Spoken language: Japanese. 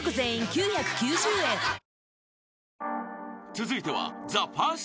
［続いては］